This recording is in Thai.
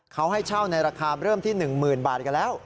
เขาให้เช่าในราคาเริ่มที่๑๐๐๐บาทกันแล้ว